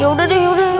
ya udah deh yaudah yuk